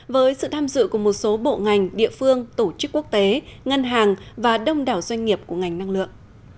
với sự tham dự của một số bộ ngành địa phương tổ chức quốc tế ngân hàng và đông đảo doanh nghiệp của ngành năng lượng